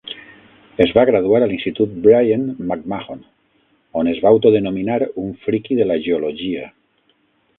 Es va graduar a l'institut Brien McMahon, on es va autodenominar un "friki de la geologia".